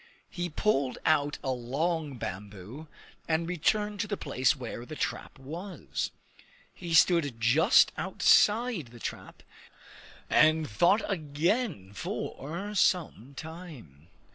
He pulled out a long bamboo, and returned to the place where the trap was. He stood just outside the trap, and thought again for some time.